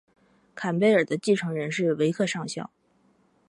坎贝尔的继承人是维克上校。